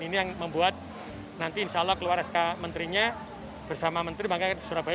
ini yang membuat nanti insyaallah keluar sk menterinya bersama menteri makanya surabaya